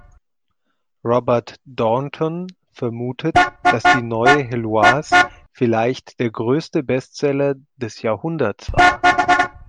Robert Darnton vermutet, dass "Die neue Heloise" „vielleicht der größte Bestseller des Jahrhunderts war“.